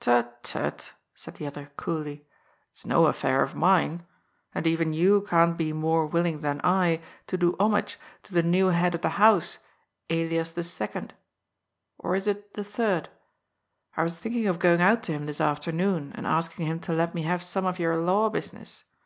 "Tut, tut," said the other coolly. "It's no affair of mine. And even you can't be more willing than I to do homage to the new head of the house, Elias the Second — or is it Third ? I was thinking of going out to him this after noon and asking him to let me have some of your law busi ness.